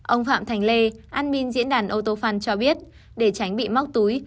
ông phạm thành lê admin diễn đàn autofun cho biết để tránh bị móc túi